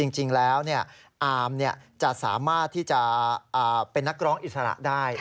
จริงแล้วอามจะสามารถที่จะเป็นนักร้องอิสระได้